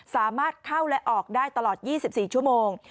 สามารถเข้าและออกได้ตลอด๒๔ชั่วโมง